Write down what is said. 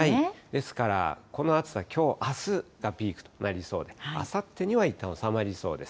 ですから、この暑さ、きょう、あすがピークとなりそうで、あさってにはいったん収まりそうです。